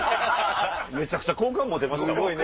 めちゃくちゃ好感持てました。